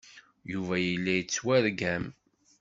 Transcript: Yuba yella yettwargam.